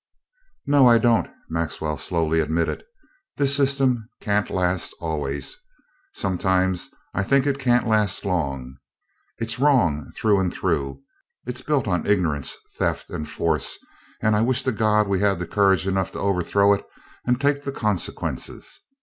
"No, I don't," Maxwell slowly admitted. "This system can't last always sometimes I think it can't last long. It's wrong, through and through. It's built on ignorance, theft, and force, and I wish to God we had courage enough to overthrow it and take the consequences.